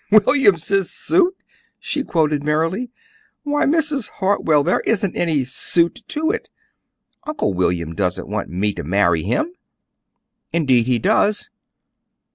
"'William's suit'!" she quoted merrily. "Why, Mrs. Hartwell, there isn't any 'suit' to it. Uncle William doesn't want me to marry him!" "Indeed he does."